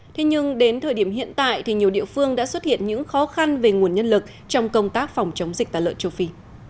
thế nhưng đến thời điểm hiện tại thì nhiều địa phương đã xuất hiện những khó khăn về nguồn nhân lực trong công tác phòng chống dịch tả lợn châu phi